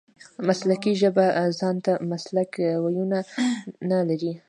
مسلکي ژبه ځان ته مسلکي وییونه لري.